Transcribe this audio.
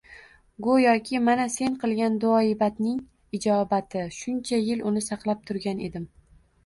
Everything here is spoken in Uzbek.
Go`yoki Mana sen qilgan duoibadning ijobati, shuncha yil uni saqlab turgan edim